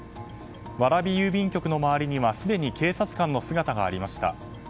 蕨郵便局の周りにはすでに警察官の姿がありました。